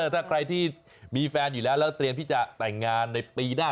ถ้าใครที่มีแฟนอยู่แล้วแล้วเตรียมที่จะแต่งงานในปีหน้า